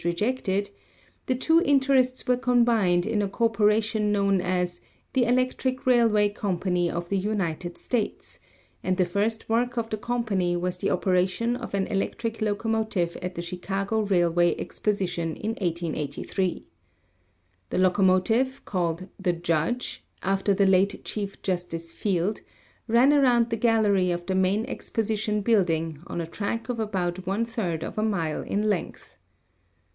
rejected), the two interests were combined in a corpora tion known as "The Electric Railway Company of the United States," and the first work of the company was the operation of an electric locomotive at the Chicago Railway Exposition in 1883. This locomotive, called "The Judge,'* after the late Chief Justice Field, ran around the gallery of the main exposition building on a track of about one third of a mile in length.